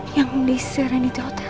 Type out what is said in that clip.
yang diserahin itu adalah